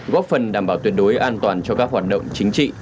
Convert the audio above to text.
góp phần đảm bảo tuyệt đối an toàn cho các hoạt động chính trị